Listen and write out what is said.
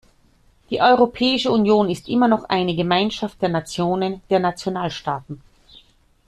Die Europäische Union ist immer noch eine Gemeinschaft der Nationen, der Nationalstaaten.